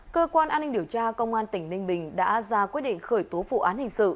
cơ quan an ninh điều tra công an tp hcm đã ra quyết định khởi tố phụ án hình sự